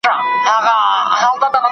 ته زما سوې رقیبان به خامخا وي